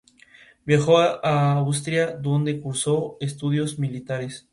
Viajó a Austria donde cursó estudios militares.